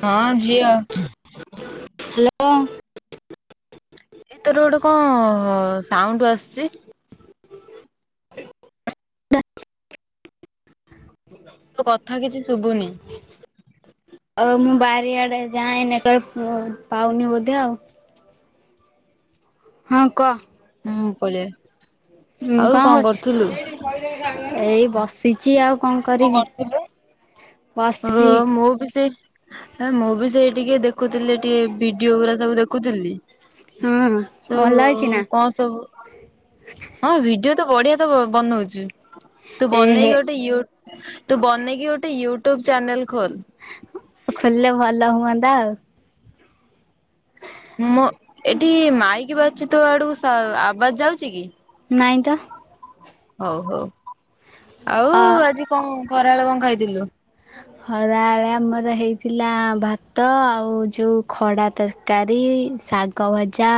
ହଁ ଝିଅ। [inaudible] ହ୍ୟାଲୋ। ଏ [inaudible] ତୋର ଗୋଟେ କଣ ସାଉଣ୍ଡ ଆସୁଛି। [unintelligible] ତୋ କଥା କିଛି ଶୁଭୁନି। ଆଉ ମୁଁ ବାରିଆଡେ ଯାଏନି ନେଟ [inaudible] ର୍କ ପାଉନି ବୋଧେ ଆଉ। ହଁ କହ। ହୁଁ ପଳିଆ ହୁଁ କଣ କରୁଛୁ? ଏଇ ବସିଛି ଆଉ କଣ କରିବି। ଓ ବସିଛି। ମୁଁ ବି ସେଇ ମୁଁ ବି ସେଇ ଟିକେ ଦେଖ ଦେଖୁଥିଲି ଟିକେ ଭିଡିଓ ଗୁଡା ସବୁ ଦେଖୁଥିଲି। ହଁ ତ ଭଲ ଅଛି ନା କଣ ସବୁ ହଁ ଭିଡିଓ ତ ବଢ଼ିଆ ତ ବନଉଛୁ। ତୁ ଏ ହେ ବନେଇକି ଗୋଟେ ୟୁବ ତୁ ବନେଇକି ଗୋଟେ ୟୁଟ୍ୟୁବ ଚ୍ୟାନେଲ ଖୋଲ୍। ଖୋଲିଲେ ଭଲ ହୁଅନ୍ତା ଆଉ। ମୁଁ ଏଠି ମାଇକି ବାଜୁଛି। ତୁ ଆଡକୁ ଆବାସ ଯାଉଛି କି! ନାଇଁ ତ। ହଉ ହଉ ଆଉ ଅ ଆଜି କଣ ଖରାବେଳୁ କଣ ଖାଇଥିଲୁ? ଖରାବେଳେ ଆମର ହେଇଥିଲା ଭାତ ଆଉ ଯୋ ଖଡା ତର କାରୀ, ଶାଗ ଭାଜା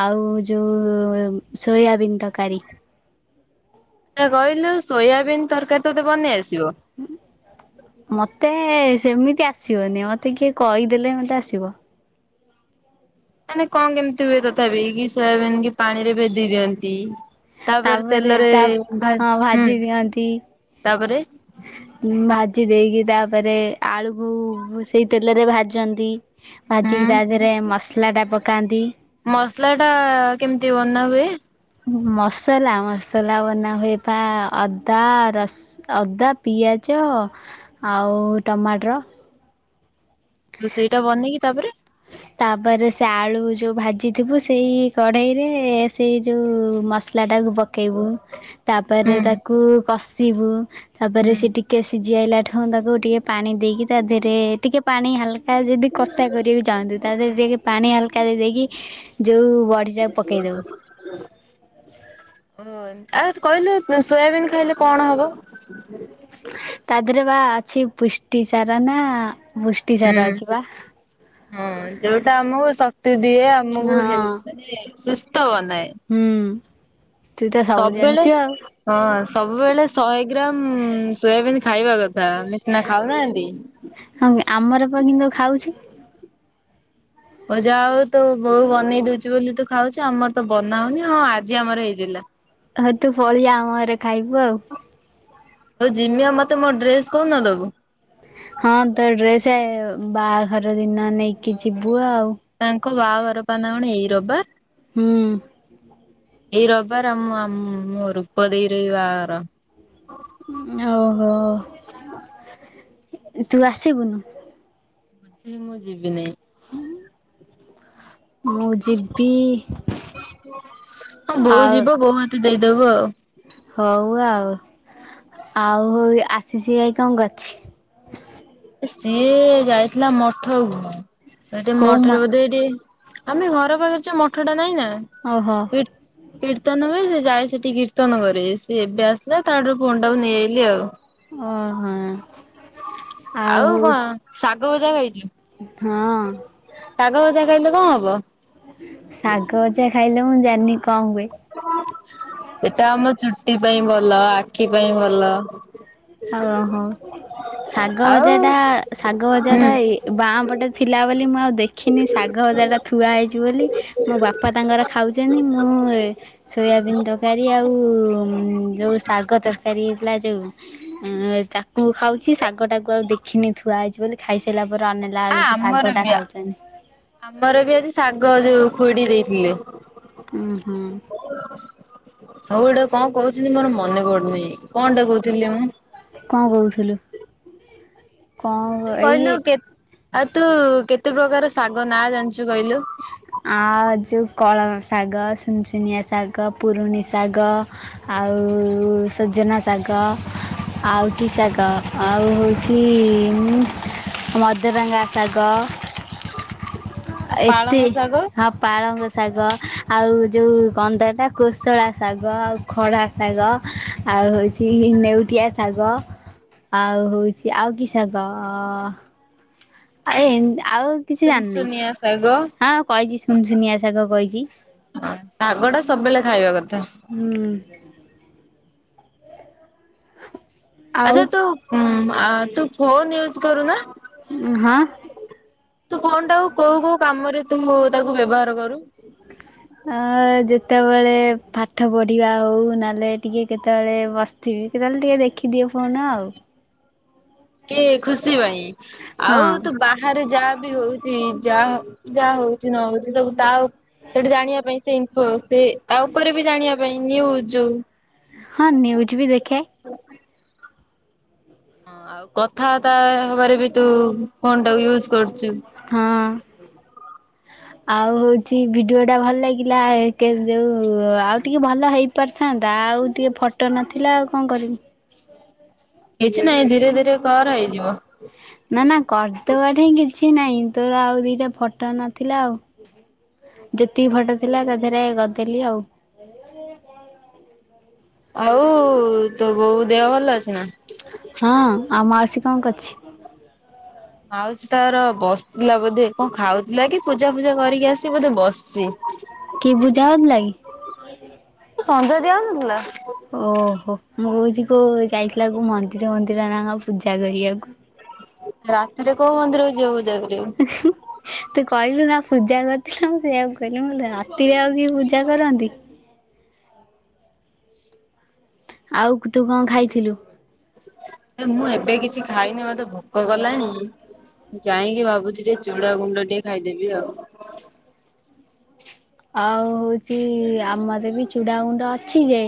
ଆଉ ଯୋଉ ସୋୟାବିନ୍ ତରକାରୀ। ଦେଖିଆ କହିଲୁ ସୋୟାବିନ୍ ତରକାରୀ ତୋତେ ବନେଇ ଆସିବ? ମତେ ସେମିତି ଆସିବନି ମତେ କିଏ କହିଦେଲେ ମତେ ଆସିବ। ମାନେ କଣ କେମିତି ହୁଏ ତଥାପି କି ସେ ମ କି ପାଣିରେ ଭେଦେଇ ଦିଅନ୍ତି। ତାପରେ ତେଲରେ ଭା ହଁ ହୁଁ ଭାଜି ଦିଅନ୍ତି। ତାପରେ? ଭାଜି ଦେଇକି ତାପରେ ଆଳୁକୁ ସେଇ ତେଲରେ ଭାଜନ୍ତି। ହୁଁ ଭାଜିକି ତା ଦେହରେ ମସଲା ଟା ପକାନ୍ତି। ମସଲା ଟା କେମିତି ବନା ହୁଏ? ମସଲା ମସଲା ବନା ହୁଏ ପା ଅଦା ରସ ଅଦା ପିଆଜ ଆଉ ଟମାଟର। ରୋଷେଇ ଟା ବନିକି ତାପରେ? ତାପରେ ସେ ଆଳୁ ଯୋଉ ଭାଜିଥିବୁ ସେଇ କଢେଇ ରେ ସେଇ ଯୋଉ ମସ ମାସଲା ପ ପକେଇବୁ ତା ହୁଁ ପରେ ତାକୁ କଷିବୁ ତାପରେ ହୁଁ। ସେ ଟିକେ ସିଜି ଆଇଲାଠୁ ହଁ ତାକୁ ଟିକେ ପାଣି ଦେଇକି ତା ଦେହରେ ଟିକେ ପାଣି ହାଲକା ଯଦି କଷା କରି [unintelligible] ଦେଇକି ପାଣି ହାଲକା ଦେଇ ଦେଇକି ଯୋଉ ବଢିଟାକୁ ପକେଇଦଉ [unintelligible] ଓ ଆଉ କହିଲେ ସୋୟାବିନ୍ ଖାଇଲେ କଣ ହବ? ତା ଦେହରେ ବା ଅଛି ପୁଷ୍ଟିସର ନା ପୁଷ୍ଟି ସାର ହୁଁ। ଅଛି ବା। ହଁ ଯୋଉଟା ଆମକୁ ଶକ୍ତି ଦିଏ ଆମକୁ ହେ ହଁ ମାନେ ସୁସ୍ଥ ବନାଏ। ହୁଁ। ତୁ ତ ସବୁ ସବୁବେଳେ ଜାଣିଛୁ ଆଉ ହଁ ସବୁବେଳେ ଶହେ ଗ୍ରାମ ସୋୟାବନ୍ ଖାଇବା କଥା ଆମେ ସିନା ଖାଉନାହାନ୍ତି। ହଁ କି ଆମର ପାଇଁ କିନ୍ତୁ ଖାଉଚି। ଓ ଯା ହଉ ତୋ ବୋଉ ବନେଇ ଦଉଚି ବୋଲି ତୁ ଖାଉଚୁ ଆମର ତ ବନା ହଉନି ହଁ ଆଜି ଆମର ହେଇଥିଲା। ହ ତୁ ପଲେଇ ଆ ଆମ ଘରେ ଖାଇବୁ ଆଉ। ହଉ ଜିମିଆ ମତେ ମୋ ଡ୍ରେସ କଉଦିନ ଦବୁ। ହଁ ତ ଡ୍ରେସ ବାହାଘର ଦିନ ନେଇକି ଯିବୁ ଆଉ। ତାଙ୍କ ବାହାଘର ପା ନା କଣ ଏଇ ରଵିବାର? ହୁଁ। ହ [unintelligible] ଏଇ ରଵିବାର ଆମ ଆମ ରୂପଦେଇରେ ବାହାଘର। ଓହୋ ତୁ ଆସିବୁନୁ? ମୁଁ ଯିବିି ନାଇଁ। ହୁଁ। ମୁଁ ଯିବି ଆଉ ତୁ ଦେଇଦବୁ ଆଉ। ହଉ ଆଉ ଆଉ ଆଶିସି ଭାଇ କଣ କରୁଚି? ସିଏ ଯାଇଥିଲା ମଠ କୁ ସେଠେ କୋଉ ମ ମଠରେ ବୋଧେଇ ଟିକେ ଆମେ ଘର ପାଖରେଛ ମଠ ଟା ନାଇଁ ନା? ହଁହଁ। ହ [unintelligible] [unintelligible] କୀର୍ତ୍ତନ ହୁଏ ସେ ଯାଏ ସେଠି କୀର୍ତ୍ତନ କରି ସିଏ ଏବେ ଆସିଲା ତାଠୁ ଫୋନଟାକୁ ନେଇ ଆଇଲି ଆଉ। ଅ ହଁ। ଆଉ କଣ ଶାଗ ଭଜା ଖାଇଥିଲୁ? ହଁ। ଶାଗ ଭଜା ଖାଇଲେ କଣ ହବ? ଶାଗ ଭଜା ଖାଇଲେ ମୁଁ ଜାଣିନି କଣ ହୁଏ। ଏଟା ଆମ ଚୁଟି ପାଇଁ ଭଲ ଆଖି ପାଇଁ ଭଲ। ଓହୋ ଶାଗ ଆଉ ଭଜା ଟା ଶାଗ ଭଜା ହୁଁ ଟା ଏଇ ବାଁପଟେ ଥିଲା ବୋଲି ମୁଁ ଆଉ ଦେଖିନି ଶାଗ ଭଜାଟା ଥୁଆ ହେଇଛି। ବୋଲି ମୋ ବାପା ତାଙ୍କର ଖାଉଛନ୍ତି ମୁଁ ସୋୟାବିନ୍ ତରକାରୀ ଆଉ ଯୋଉ ଶାଗ ତରକାରୀ ହେଇଥିଲା ଯୋଉ ଅ ତାକୁ ଖାଉଛି ଶାଗ ଟାକୁ ଆଉ ଦେଖିନି ଥୁଆ ହେଇଛି ବୋଲି। ଖାଇସାରିଲା ପରେ ଅନେଲା ଆ ଆଳୁକୁ ଆମର ଶାଗ ଟା ବି ଖାଉଛନ୍ତି। ଆମର ବି ଆଜି ଶାଗ ଯୋଉ ଖୁଡି ଦେଇଥିଲେ। ହୁଁ ହୁଁ। ହଉ ଏଇଟା କଣ କହୁଛନ୍ତି ମୋର ମନେ ପଡୁନିଁ କଣ ଟା କହୁଥିଲି ମୁଁ। କଣ କହୁଥିଲୁ? କଣ ତୁ କହିଲୁ ଏଇ କେ ଆଉ ତୁ କେତେ ପ୍ରକାର ଶାଗ ନାଁ ଜାଣିଛୁ କହିଲୁ? ଆଉ ଯେଉଁ କଳମ ଶାଗ ସୁନୁସୁନିଆ ଶାଗ ପୁରୁଣି ଶାଗ। ଆଉ ସଜନା ଶାଗ। ଆଉ କି ଶାଗ ଆଉ ହଉଛି ମଦରଙ୍ଗା ଶାଗ। ଆ ତେ ହଁ ପାଳଙ୍ଗ ଶାଗ ଆଉ ଯେଉ କଣ ତ ହେଟା କୋଶଳା ଶାଗ ଆଉ ଖଡା ଶାଗ ଆଉ ହେଉଛି ନେଉଟିଆ ଶାଗ। ଆଉ ହଉଛି ଆଉ କି ଶାଗ ଅ ହେ ଏ ଦ ଆଉ କିଛି ଶୁନୁ ଜାଣିନି ସୁୁନିଆସାଗ। ହଁ କହିଛି ସୁନୁସୁନିଆ ସାଗ କହିଛି। ହ ଶାଗ ଟା ସବୁବେଳେ ଖାଇବା କଥା। ହୁଁ। ଆଉ ଆଛା ତୁ ଉଁ ଆ ତୁ ଫୋନ ୟୁଜ କରୁନା? ହଁ। ତୁ କଣ ଟା କୋଉ କୋଉ କାମରେ ତୁ ତାକୁ ବ୍ୟବହାର କରୁ? ଅ ଯେତେବେଳେ ପାଠ ପଢିବା ହଉ ନହେଲେ ଟିକେ କେତେବେଳେ ବ ଥିବି କି କେତେବେଳେ ଟିକେ ଦେଖିଦିଅ ଫୋନ୍ ଆଉ। ଟିକିଏ ଖୁସି ପାଇଁ ଆଉ ହଁ ତୁ ବା ଠାରେ ଯାହା ବି ହଉଛି ଯାହା ଯାହା ହଉଛି ନ ହଉଛି ସବୁ ତା ସେଠି ଜାଣିବା ପାଇଁ ସେ ସେ ଆଉ ଉପରେ ବି ଜାଣିବା ପାଇଁ ନିୟୁଜ ହଁ ନ୍ୟୁଜ୍ ବି ଦେଖେ। ହଁ। ଆଉ କଥାବାର୍ତ୍ତା ହବାରେ ବି ତୁ ଫୋନ୍ ଟାକୁ ୟୁଜ କରୁଛୁ। ହଁ। ହ। ଆଉ ହଉଛି ଭିଡିଓ ଟା ଭଲ ଲାଗିଲା ଯୋଉ ଆଉ ଟିକେ ଭଲ ହେଇ ପାରିଥାନ୍ତା ଆଉ ଟିକେ ଫଟୋ ନଥିଲା ଆଉ କଣ କରିବି। କିଛି ନାଇଁ ଧୀରେ ଧୀରେ କର ହେଇଯିବ। ନା ନା କରିଦବାଠିଁ କିଛି ନାହିଁ ତୋର ଆଉ ଦିଟା ଫଟ ନଥିଲା ଆଉ। ଯେତିକି ଫଟ ଥିଲା ତା ଦେହରେ କରଦେଲି ଆଉ। ଆଉ ତୋ ବୋଉ ଦେହ ଭଲ ଅଛି ନା? ହଁ ଆଉ ମାଉସୀ କଣ କରୁଚି? ମାଉସୀ ତାର ବସିଥିଲା ବୋଧେ କଣ ଖାଉଥିଲା କି ପୂଜା ଫୂଜା କରିକି ଆସିି ବୋଧେ ବସିଚି। କି ବୁଝାହୋଉ ଥିଲାଗି? ସନ୍ଧ୍ୟା ଦିଆହୋଉନଥିଲା? ଓହୋ ମୁଁ କୋହୁଚି କୋଉ ଯାଇଥିଲା କୋ ମନ୍ଦିର ଫ ନ୍ଦିର ନାକଣ ପୂଜା କରିବାକୁ। ରାତିରେ କୋଉ ମନ୍ଦିରକୁ ଯିବ ପୂଜା କରିବାକୁ? [inaudible] ତୁ କହିଲୁ ନା ପୂଜା କରିଥିଲୁ ମୁଁ ସେଇଆକୁ କହିଲି ରାତିରେ ଆଉ କିଏ ପୂଜା କରନ୍ତି। ଆଉ ତୁ କଣ ଖାଇଥିଲୁ? ମୁଁ ଏବେ କିଛି ଖାଇନି ମତେ ଭୋକ କଲାଣି। ଯାଇଁକି ଭାବୁଚି ଟିକେ ଚୁଡ଼ା ଗୁଣ୍ଡ ଟିକେ ଖାଇଦେବି ଆଉ। ଆଉ ହୋଉଚି ଆମର ବି ଚୁଡ଼ା ଗୁଣ୍ଡ ଅଛି ଯେ।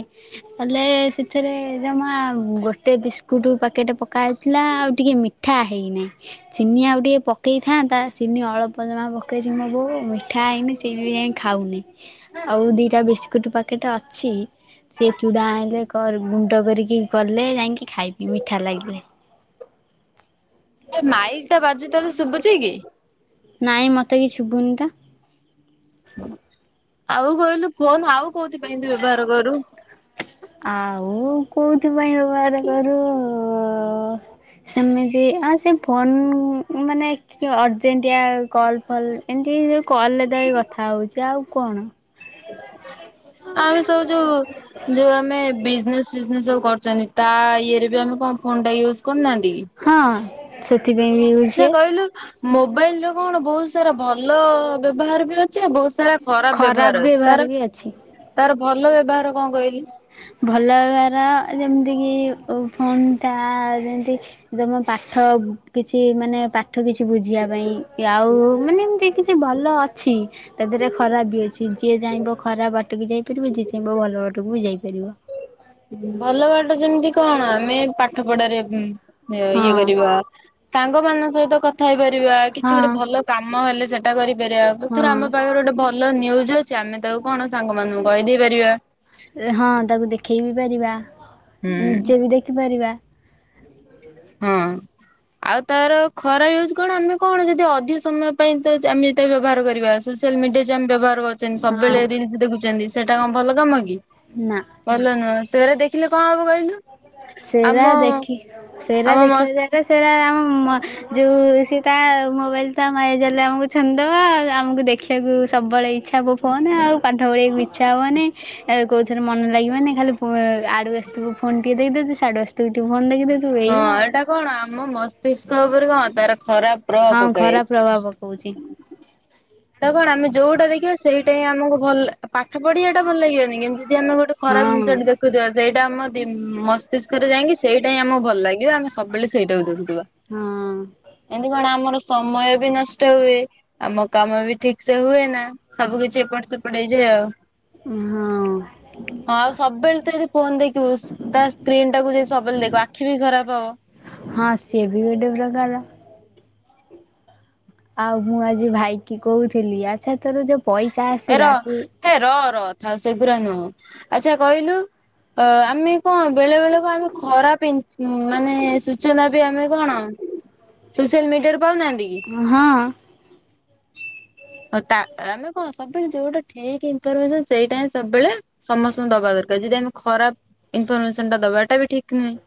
ହେଲେ ସେଥିରେ ଜମା ଗୋଟେ ବିସ୍କୁଟ ପ୍ୟାକେଟ ପକ ହୋଇଥିଲା ଆଉ ଟିକେ ମିଠା ମିଠା ହେଇ ନେଇଁ। ଚିନି ଆଉ ଟିକେ ପକେଇଥାନ୍ତା ଚିନି ଅଳପ ଜମା ପକେଇଚି ମୋ ବୋଉ ମିଠା ହେଇନି ଚିନି ଖାଉନି ଆଉ ଦିଟା ବିସ୍କୁଟ ପାକେଟେ ଅଛି। ସିଏ ଚୁଡ଼ା ଆଣିଲେ ଗୁଣ୍ଡ କରିକି କଲେ ଯାଇଁକି ଖାଇବି ମିଠା ଲାଗିଲେ। ଆରେ ମାଇଲ ଟା ବାଜୁଚି ତତେ ଶୁଭୁଚି କି? ନାଇଁ ମତେ କିଛି ଶୁବୁନି ତ। ଆଉ କହିଲୁ ଫୋନ ଆଉ କୋଉଥିପାଇଁ ତୁ ବ୍ୟବହାର କରୁ? ଆଉ କୋଉଥିପାଇଁ ବ୍ୟବାହାର କରୁ ସେମିତି ହଁ ସେ ଫୋନ୍ ମାନେ ଟିକେ ଅର୍ଜେଷ୍ଟିଆ କଲ୍ ଫଲ ଏମିତି କଲରେ ଥାଇ କଥା ହୋଉଚି ଆଉ କଣ। ଆମେ ସବୁ ଯୋଉ ଯୋଉ ଆମେ ବିଜନେସ୍ ବିଯିନେସ ସବୁ କରୁଚନ୍ତି ତା ଇଏରେ ବି ଆମେ କଣ ଫୋନ୍ ଟା ୟୁଜ୍ କରୁନାହାନ୍ତିକି। ହଁ। ସେଥିପାଇଁ ବି ୟୁଜ ଆଚ୍ଛା ହୁଏ କଇଲୁ? ମୋବାଇଲ ର କଣ ବୋହୁତ ସାରା ଭଲ ବ୍ୟବହାର ବି ଅଛି ଆଉ ବୋହୁତ ସାରା ଖରାପ ବ୍ୟବହାର ଅଛି ତାର ତାର ଭଲ ବ୍ୟବହାର କଣ କହିଲି? ଭଲ ବ୍ୟବହାର ଯେମିତି କି ଫୋନ ଟା ଯେମିତି ତମ ପାଠ କିଛି ମାନେ ପାଠ କିଛି ବୁଝିବା ପାଇଁ ଆଉ ମାନେ ଏମିତି କିଛି ଭଲ ଅଛି। ତା ଦେହରେ ଖରାପ ବି ଅଛି ଯିଏ ଚାଇଁବ ଖରାପ ବାଟକୁ ଯାଇପାରିବ ଯିଏ ଚାହିଁବ ଭଲ ବାଟକୁ ବି ଯାଇପାରିବ। ଭଲ ବାଟ ଯେମିତି କଣ ଆମେ ପାଠ ପଢାରେ ଇଏ ହଁ କରିବା ସାଙ୍ଗ ମାନଙ୍କ ସହିତ କଥା ହେଇପାରିବା କିଛି ହଁ ଗୋଟେ ଭଲ କାମ ହେଲେ ସେଠା [unintelligible] ଆମ ହଁ ପାଖରେ ଗୋଟେ ଭଲ ନିୁଜ ଅଛି ଆମେ ତାକୁ କଣ ସାଙ୍ଗମାନଙ୍କୁ କହିଦେଇ ପାରିବା। ହଁ ତାକୁ ଦେଖେଇ ବି ପାରିବା ହୁଁ ନିଜେ ବି ଦେଖି ପାରିବା। ହଁ। ଆଉ ତାର ଖରାପ ୟୁଜ୍ କଣ ଆମେ କଣ ଯଦି ଅଧିକ ସମୟ ପାଇଁ ତ ଆମେ ଯେତେ ବ୍ୟବହାର କରିବା [unintelligible] [unintelligible] ବ୍ୟବହାର କରୁଚନ୍ତି ହଁ ସବୁବେଳେ ରିଲ୍ସି ଦେଖୁଚନ୍ତି ସେଟା କଣ ଭଲ କାମ କି। ନା। ଭଲ ନୁହଁ ସେରା ଦେଖିଲେ କଣ ହବ କହିଲୁ। ଆମ ସେରା ଦେଖି ସେରା ଆମ ଦେଖିଲା ମସ୍ତ ଯାଏ ସେଟା ଆମ ଯୋଉ ସେ ତା ମୋବାଇଲ ତା ମାୟାଜାଲରେ ଆମକୁ ଛନ୍ଦିଦବ ଆ ଆମକୁ ଦେଖି ଦେଖିଆକୁ ସବୁବେଳେ ଇଚ୍ଛା ହବ ଫୋନ ଆଉ ପାଠ ପଢିବାକୁ ଇଚ୍ଛା ହବନି ଆଉ କଉଥରେ ମନ ଲାଗିବନି ଖାଲି ଆଡୁ ଆସିଥିବୁ ଫୋନ ଟିକେ ଦେଖିଦଉଛି ସାଡୁ ଆସି ତୁ [unintelligible] ଫୋନ ଦେଖି ଦଉଥିବୁ ହଁ ଏଇଆ ଆଉ। ଏଇଟା କଣ ଆମ ମସ୍ତିଷ୍କ ଉପରେ କଣ ତାର ଖରାପ ପ୍ରଭାବ ହଁ ପକାଏ। ଖରାପ ପ୍ରଭାବ ପକଉଛି ତ କଣ ଆମେ ଯଉଟା ଦେଖିବା ସେଇଟା ହିଁ ଆମକୁ ଭଲ ପାଠ ପଢିବା ଟା ଭଲ ଲାଗିବନି କେମତି ଯଦି ଆମେ ଗୋଟେ ଖରାପ ହଁ ଜିନିଷଟି ଦେଖୁଥବା ସେଇଟା ଆମ ମସ୍ତିଷ୍କରେ ଯାଇକି ସେଇଟା ହି ଆମକୁ ଭଲ ଲାଗିବ ଆମେ ସବୁବେଳେ ସେଇଟାକୁ ଦେଖୁଥିବା। ହଁ ଏମତି କଣ ଆମର ସମୟ ବି ନଷ୍ଟ ହୁଏ। ଆମ କାମ ବି ଠିକ ସେ ହୁଏ ନା ସବୁ କିଛି ଏପଟ ସେପଟ ହେଇଯାଏ ଆଉ। ହଁ ହଁ ଆଉ ସବୁବେଳେ ତ ଯଦି ଫୋନ ଦେଖିବୁ ତା ସ୍କ୍ରିନ୍ ଟାକୁ ଯ ସବୁବେଳେ ଦେଖିବୁ ଆଖି ବି ଖରାପ ହବ। ହଁ ସିଏବି ଗୋଟେ ପ୍ରକାର। ଆଉ ମୁଁ ଆଜି ଭାଇକି କହୁଥିଲି ଆଚ୍ଛା ତୋର ଯୋଉ ପଇସା ଏ ଆସିଲା ତୁ ରହ ଏ ରହ ରହ ଥାଉ ଆଉ ସେଗୁରା ନୁହଁ ଆଚ୍ଛା କହିଲୁ ଅ ଆମେ କଣ ବେଳେ ବେଳେ ବେଳେ ଆମେ ଖରା ପି ମାନେ ସୂଚନା ବି ଆମେ କଣ ସୋସିଆଲ ମିଡିଆରୁ ପାଉନାହାନ୍ତି କି? ହଁ। ହଉ ତା ଆମେ କଣ ସବୁବେଳେ ଯୋଉଟା ଠିକ୍ ଇନଫରମେସନ୍ ସେଇଟା ହିଁ ସବୁବେଳେ ସମସ୍ତଙ୍କୁ ଦବା ଦରକାର। ଯଦି ଆମେ ଖରାପ ଇନଫରମେସନ୍ ଟା ଦବାଟା ବି ଠିକ୍ ନୁହେଁ।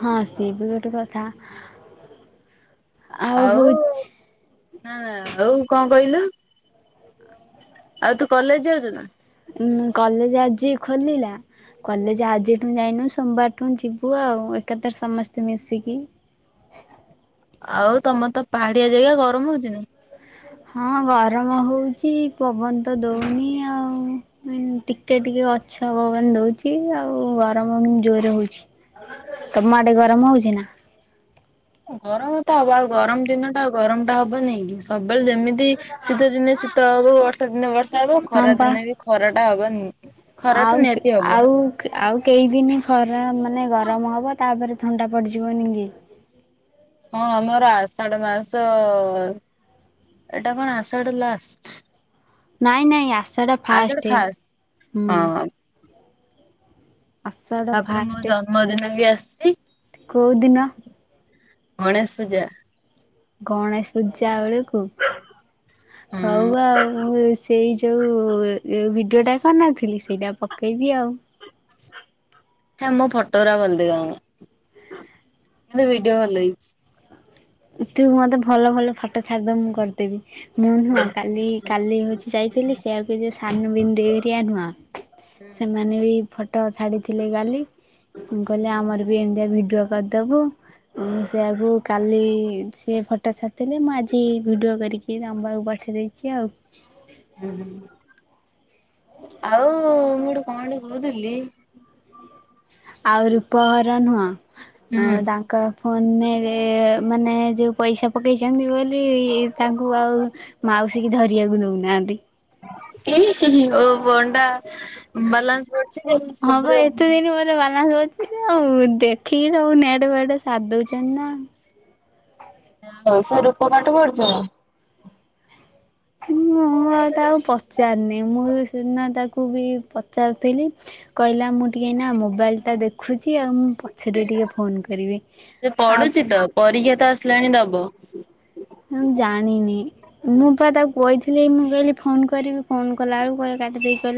ହଁ ସିଏ ବି ଗୋଟେ କଥା। ଆଉ ନା ଆଉ କଣ କହିଲୁ ଆଉ ତୁ କଲେଜ୍ ଯାଉଛୁ ନା? ଉଁ କଲେଜ୍ ଆଜି ଖୋଲିଲା କଲେଜ୍ ଆଜିଠୁ ଯାଇନୁ ସୋମବାରଠୁ ଯିବୁ ଆଉ ଏକାଥରେ ସମସ୍ତେ ମିଶିକି। ଆଉ ତମର ତ ପାହାଡ଼ିଆ ଜାଗା ଗରମ ହଉଚିନା? ହଁ ଗରମ ହଉଛି ପବନ ତ ଦଉନି ଆଉ। ନାଁଇ ଟିକେ ଟିକେ ଗଛ ପବନ ଦଉଛି ଆଉ ଗରମ ଜୋରେ ହଉଛି। ତମ ଆଡେ଼ ଗରମ ହଉଚି ନା? ଗରମ ତ ହବ ଆଉ ଗରମ ଦିନ ଟା ଆଉ ଗରମ ଟା ହବ ନାଇଁକି ସବୁବେଳେ ଯେମିତି ତି ଶୀତ ଦିନେ ଶୀତ ହବ, ବର୍ଷା ଦିନେ ବର୍ଷା ହବ, ହଁ ଖରା ପା ଦିନେ ବି ଖରାଟା ହବା ନି ଖରା ଆଉ ତ ନିହାତି ହବ। ଆଉ ଆଉ କେଇଦିନି ଖରା ମାନେ ଗରମ ହବ ତାପରେ ଥଣ୍ଡା ପଡ଼ିଯିବନି କି? ହଁ ଆମର ଆଷାଢ଼ ମାସ ଏଇଟା କଣ ଆଷାଢ଼ ଲାଷ୍ଟ। ନାଇଁ, ନାଇଁ ଆଷାଢ଼ ଫାଷ୍ଟ ହୁଁ। ହଁ ଆଷାଢ଼ ତାପରେ ମୋ ଜନ୍ମଦିନ ବି ଆସିଚି। କୋଉଁ ଦିନ? ଗଣେଶ ପୂଜା। ଗଣେଶ ପୂଜା ବେଳକୁ ହଁ ହଉ ଆଉ ମୁଁ ଉଇ ସେଇ ଯୋଉ ଭିଡିଓ ଟା କରିନଥିଲି ସେଇଟା ପକେଇବି ଆଉ। ହେ ମୋ ଫଟୋ ଗୁରା ଭଲ ଦେଖାଯାଉନି କିନ୍ତୁ ଭିଡ଼ିଓ ଭଲ ହେଇଛି। ତୁ ମତେ ଭଲ ଭଲ ଫଟୋ ଛାଡି଼ ଦବୁ ମୁଁ କରିଦେବି। ମୁଁ ନୁହଁ କାଲି, କାଲି ହଉଚି ଯାଇଥିଲି ସେଇଆ କୁ ଯୋଉ ସାନୁ ମିନି ଦେଇ ହରିଆ ନୁହଁ ହୁଁ ସେମାନେ ବି ଫଟୋ ଛାଡ଼ିଥିଲେ କାଲି ମୁଁ କହିଲି ଆମର ବି ଏମିତିଆ ଭିଡ଼ିଓ କରିଦବୁ। ମୁଁ ସେଇ ଆକୁ କାଲି ସେ ଫଟୋ ଛାଡି଼ଥିଲି ମୁଁ ଆଜି ଭିଡ଼ିଓ କରିକି ତମ ପାଖକୁ ପଠେଇ ଦେଇଚି ଆଉ। ହୁଁ ହୁଁ ଆଉ ମୁଡ୍ କଣ ଗୋଟେ କହୁଥିଲି ଆଉ ରୂପ ଘର ନୁହଁ ଅ ହୁଁ ତାଙ୍କ ଫୋନ୍ ରେ ମାନେ ଯୋଉ ପଇସା ପକେଇଚନ୍ତି ବୋଲି ତାଙ୍କୁ ଆଉ ମାଉସୀ କିି ଧରିଆକୁ ଦଉନାହାନ୍ତି। ଉଁ -ହୁଁ ହୁଁ ଓ ଫୋନ୍ ଟା ବାଲାନ୍ସ ପଡ଼ିଚି କେମତି ହଁ ବା ସୁଵିଵ ଏତେ ଦିନ ବାଲାନ୍ସ ବଞ୍ଚିଛି ଆଉ ଦେଖିକି ସବୁ ନେଟ୍ ଫେଟ୍ ସାରିଦଉଚନ୍ତି ନା। [unintelligible] ରୂପ ପାଠ ପଢଚି ନା? ମୁଁ ଆଉ ତାକୁ ପଚାରିନି ମୁଁ ବି ସେଦିନ ତାକୁ ବି ପଚାରୁଥିଲି। କହିଲା ମୁଁ ଟିକେ ଏଇନା ମୋବାଇଲ୍ ଟା ଦେଖୁଚି ଆଉ ମୁଁ ପ ଛରେ ଟିକେ ଫୋନ୍ କରିବି ସେ ଆଉ ପଢୁଛି ତ ପରୀକ୍ଷା ତ ଆସିଲାଣି ଦବ। ହୁଁ ଜାଣିନି। ମୁଁ ପା ତାକୁ କହିଥିଲି ମୁଁ କହିଲି ଫୋନ୍ କରିବି ଫୋନ୍ କଲା ବଳକୁ କହିଲା କାଟି ଦେଇ କହିଲା